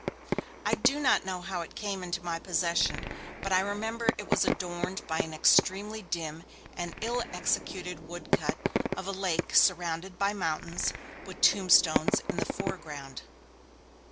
I do not know how it came into my possession, but I remember it was adorned by an extremely dim and ill executed wood cut of a lake surrounded by mountains, with tombstones in the foreground.